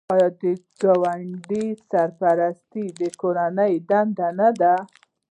آیا د کونډې سرپرستي د کورنۍ دنده نه ده؟